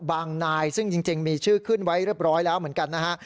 นายซึ่งจริงมีชื่อขึ้นไว้เรียบร้อยแล้วเหมือนกันนะฮะ